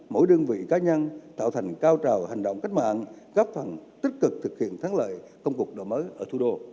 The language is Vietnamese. mỗi đơn vị cá nhân tạo thành cao trào hành động cách mạng góp phần tích cực thực hiện thắng lợi công cục đổi mới ở thủ đô